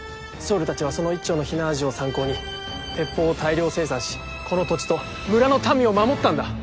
僧侶たちはその一挺の火縄銃を参考に鉄砲を大量生産しこの土地と村の民を守ったんだ。